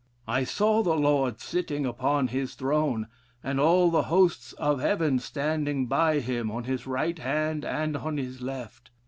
I saw the Lord sitting upon his throne, and all the hosts of Heaven standing by him on his right hand and on his left.